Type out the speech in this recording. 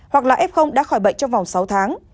hoặc là f đã khỏi bệnh trong vòng sáu tháng